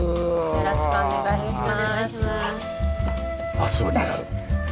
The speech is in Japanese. よろしくお願いします。